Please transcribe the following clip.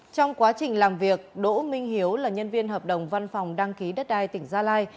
trong quá trình làm việc đỗ minh hiếu là nhân viên hợp đồng văn phòng đăng ký đất đai tỉnh gia lai